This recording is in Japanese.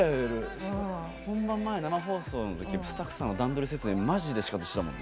本番前、生放送の時スタッフさんの段取り説明マジでシカトしたもんね。